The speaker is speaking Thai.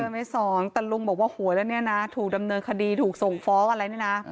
เกินไป๒เปอร์เซ็นต์แต่ลุงบอกว่าหัวแล้วเนี่ยนะถูกดำเนินคดีถูกส่งฟ้องอะไรเนี่ยนะ